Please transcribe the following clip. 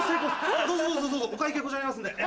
どうぞどうぞお会計こちらになりますんで。